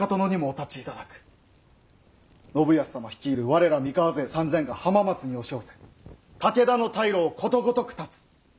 信康様率いる我ら三河勢３，０００が浜松に押し寄せ武田の退路をことごとく断つ。